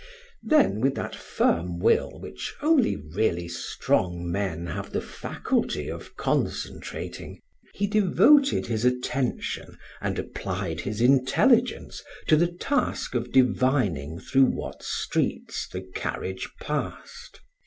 Then, with that firm will which only really strong men have the faculty of concentrating, he devoted his attention and applied his intelligence to the task of divining through what streets the carriage passed.